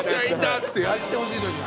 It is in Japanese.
っつってやってほしいのに。